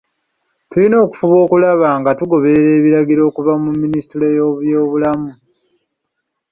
Tulina okufuba okulaba nga tugoberera ebiragiro okuva mu minisitule y'ebyobulamu.